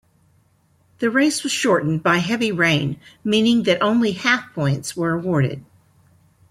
The race was shortened by heavy rain, meaning that only half points were awarded.